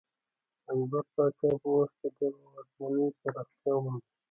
د اکبر پاچا په وخت کې دغه واکمنۍ پراختیا ومونده.